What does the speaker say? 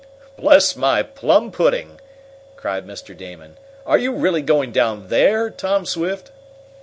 "Bless my plum pudding!" cried Mr. Damon, "are you really going down there, Tom Swift?"